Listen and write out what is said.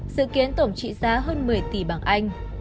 dự kiến tổng trị giá hơn một mươi tỷ bảng anh